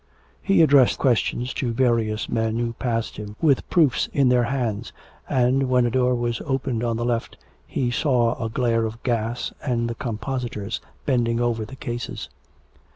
He addressed questions to various men who passed him with proofs in their hands, and, when a door was opened on the left, he saw a glare of gas and the compositors bending over the cases.